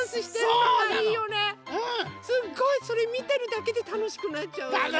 すっごいそれみてるだけでたのしくなっちゃうよね。